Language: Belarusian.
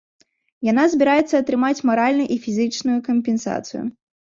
Яна збіраецца атрымаць маральную і фізічную кампенсацыю.